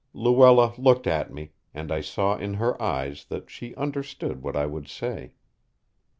Luella looked at me, and I saw in her eyes that she understood what I would say.